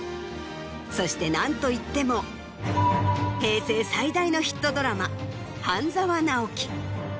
そして何といっても平成最大のヒットドラマ『半沢直樹』。